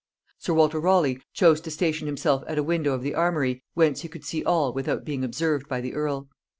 Sir Walter Raleigh chose to station himself at a window of the armory whence he could see all without being observed by the earl.